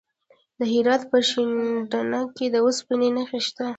د هرات په شینډنډ کې د اوسپنې نښې شته.